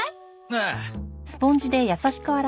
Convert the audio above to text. ああ。